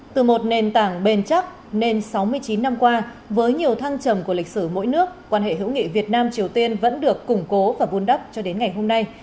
từ một nền tảng bền chắc nên sáu mươi chín năm qua với nhiều thăng trầm của lịch sử mỗi nước quan hệ hữu nghị việt nam triều tiên vẫn được củng cố và vun đắp cho đến ngày hôm nay